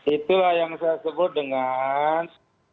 itulah yang saya sebut dengan